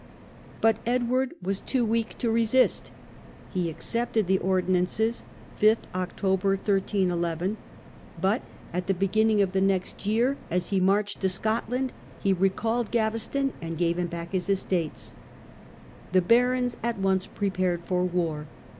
But Edward was too weak to resist. He accepted the Ordinances, 5th October, 1311; but at the beginning of the next year, as he marched to Scotland, he recalled Gaveston and gave him back his estates. The barons at once prepared for war.